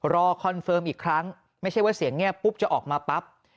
คอนเฟิร์มอีกครั้งไม่ใช่ว่าเสียงแง่ปุ๊บจะออกมาปั๊บ